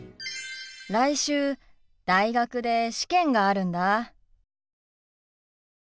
来週大学で試験があるんだ。